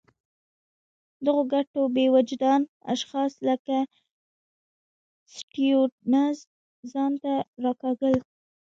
دغو ګټو بې وجدان اشخاص لکه سټیونز ځان ته راکاږل.